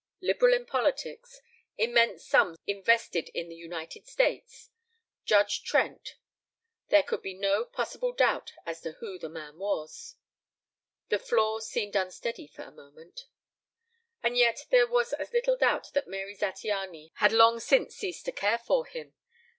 Liberal in politics. Immense sums invested in the United States. Judge Trent. There could be no possible doubt as to who the man was. The floor seemed unsteady for a moment. And yet there was as little doubt that Mary Zattiany bad long since ceased to care for him.